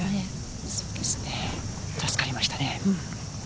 助かりましたね。